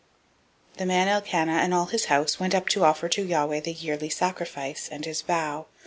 001:021 The man Elkanah, and all his house, went up to offer to Yahweh the yearly sacrifice, and his vow.